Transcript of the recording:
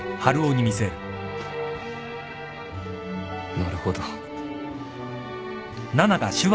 なるほど。